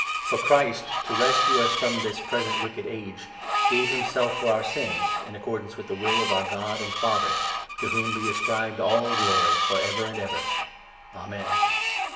For Christ, to rescue us from this present wicked age, gave himself for our sins, in accor 4 dance with the will of our God and Father, to whom be 5 ascribed all glory for ever and ever. Amen.